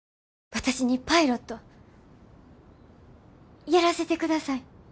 私にパイロットやらせてください。